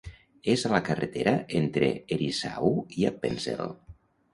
És a la carretera entre Herisau i Appenzell.